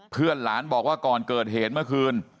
เพื่อนหลานบอกว่าก่อนเกิดเหตุเมื่อคืน